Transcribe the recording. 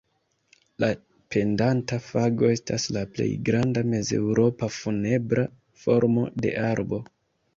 La pendanta fago estas la plej granda mezeŭropa funebra formo de arbo.